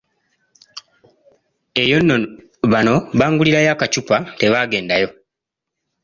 Eyo nno bano bangulirayo akacupa tebagendayo!